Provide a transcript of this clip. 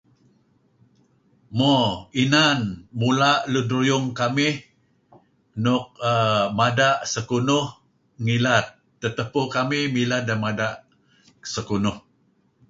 Mo inan, mula' lun ruyung kamih nuk err mada' sekunuh ngilad. Tetepuh kamih mileh deh mada' sekunuh.